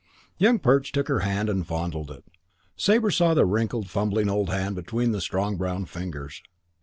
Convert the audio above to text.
Young Perch took her hand and fondled it. Sabre saw the wrinkled, fumbling old hand between the strong brown fingers.